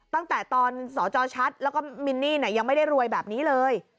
ตั้งแต่ตอนสจชัดแล้วก็มินนี่ยังไม่ได้รวยแบบนี้เลย